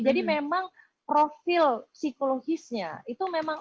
jadi memang profil psikologisnya itu memang